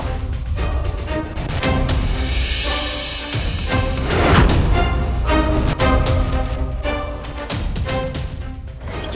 kamu gak apa apa